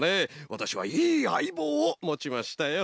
わたしはいいあいぼうをもちましたよ。